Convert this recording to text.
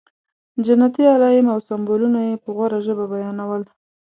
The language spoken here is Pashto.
جنتي علایم او سمبولونه یې په غوړه ژبه بیانول.